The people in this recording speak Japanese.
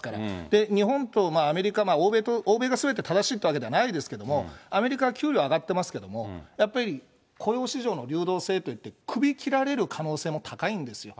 で、日本とアメリカ、欧米がすべて正しいっていうわけではないですけれども、アメリカは給料上がってますけど、やっぱり雇用市場の流動性って言って、首切られる可能性も高いんですよ。